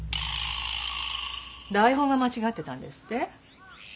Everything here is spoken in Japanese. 台本が間違ってたんですって？